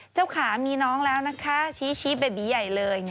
ขามีน้องแล้วนะคะชี้เบบีใหญ่เลย